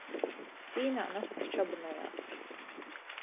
Sīnā nazkas čabynojās.